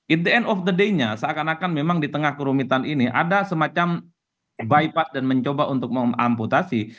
it the end of the day nya seakan akan memang di tengah kerumitan ini ada semacam bypass dan mencoba untuk mengamputasi